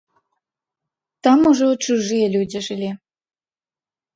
Там ужо чужыя людзі жылі.